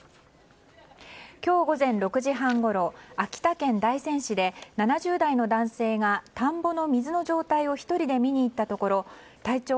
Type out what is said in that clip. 今日午前６時半ごろ秋田県大仙市で７０代の男性が田んぼの水の状態を１人で見に行ったところ体長